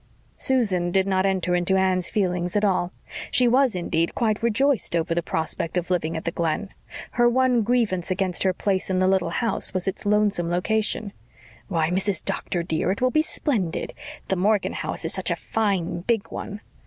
Susan did not enter into Anne's feelings at all. She was, indeed, quite rejoiced over the prospect of living at the Glen. Her one grievance against her place in the little house was its lonesome location. "Why, Mrs. Doctor, dear, it will be splendid. The Morgan house is such a fine, big one."